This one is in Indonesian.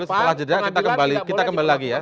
setelah jeda kita kembali lagi ya